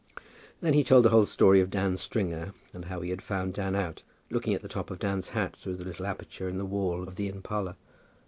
Then he told the whole story of Dan Stringer, and how he had found Dan out, looking at the top of Dan's hat through the little aperture in the wall of the inn parlour.